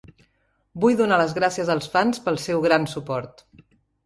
Vull donar les gràcies als fans pel seu gran suport.